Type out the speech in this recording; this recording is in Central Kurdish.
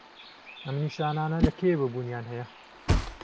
ئەم نیشانانه لە کەیەوە بوونیان هەیە؟